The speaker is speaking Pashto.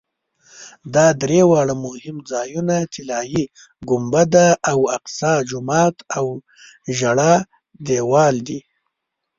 دا درې واړه مهم ځایونه طلایي ګنبده او اقصی جومات او ژړا دیوال دي.